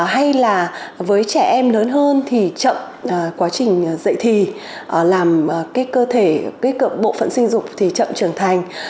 hay là với trẻ em lớn hơn thì chậm quá trình dạy thì làm cái cơ thể bộ phận sinh dục thì chậm trưởng thành